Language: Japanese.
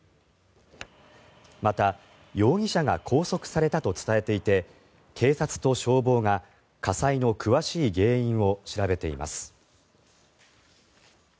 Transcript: また、容疑者が拘束されたと伝えていて警察と消防が火災の詳しい原因を調べています。